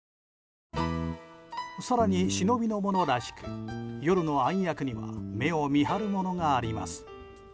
更に忍の者らしく夜の暗躍には目を見張るものがあります。